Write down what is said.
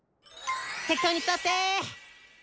適当に座って。